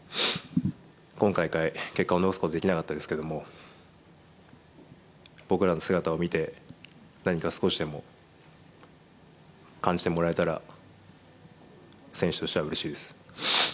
今大会、結果を残すことはできなかったですけども、僕らの姿を見て、何か少しでも感じてもらえたら、選手としてはうれしいです。